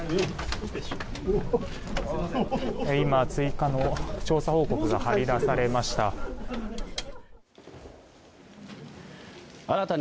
今、追加の調査報告が貼り出されました。